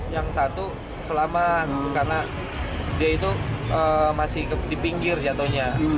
yang satu selamat karena dia itu masih di pinggir jatuhnya